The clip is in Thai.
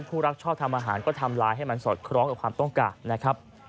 ผู้รักชอบทำอาหารก็ทำลายให้มันสอดคล้องกับความต้องการนะครับ